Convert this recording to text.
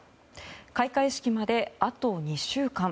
開会式まで、あと２週間。